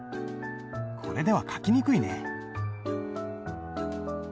これでは書きにくいね。